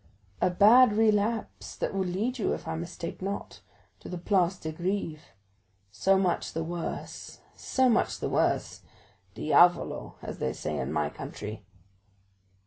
"A bad relapse, that will lead you, if I mistake not, to the Place de Grève. So much the worse, so much the worse—diavolo! as they say in my country."